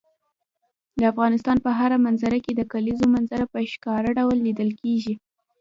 د افغانستان په هره منظره کې د کلیزو منظره په ښکاره ډول لیدل کېږي.